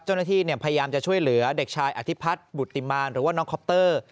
เจ้าหน้าที่พยายามจะช่วยเหลือเด็กชายอธิพัฒน์บุติมารหรือว่าน้องคอปเตอร์